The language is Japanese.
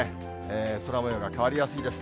空もようが変わりやすいです。